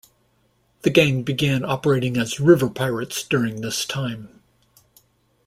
The gang began operating as river pirates during this time.